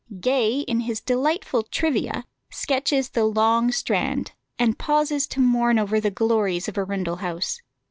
Gay, in his delightful Trivia sketches the "long Strand," and pauses to mourn over the glories of Arundel House.